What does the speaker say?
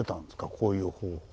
こういう方法で。